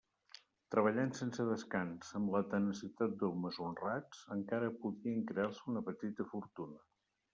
Treballant sense descans, amb la tenacitat d'homes honrats, encara podien crear-se una petita fortuna.